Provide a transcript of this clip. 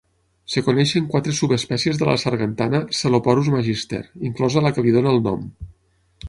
Es coneixen quatre subespècies de la sargantana "Sceloporus Magister", inclosa la que li dona el nom.